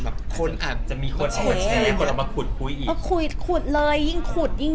อันนั้นก็ร้องเพลงให้เขาฟัง